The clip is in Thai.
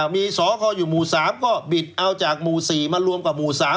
มีสคอยู่หมู่๓ก็บิดเอาจากหมู่๔มารวมกับหมู่๓